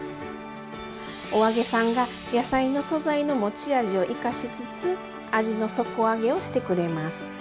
お揚げさんが野菜の素材の持ち味を生かしつつ味の底上げをしてくれます。